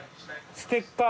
ステッカー。